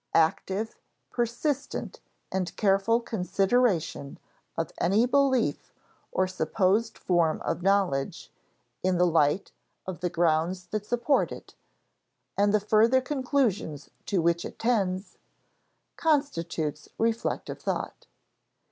_Active, persistent, and careful consideration of any belief or supposed form of knowledge in the light of the grounds that support it, and the further conclusions to which it tends_, constitutes reflective thought.